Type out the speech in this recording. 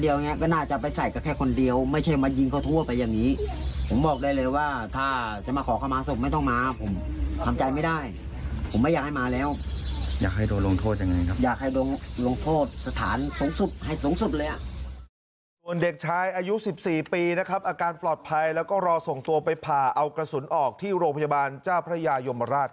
อยากให้ลงโทษสถานให้สูงสุดเลย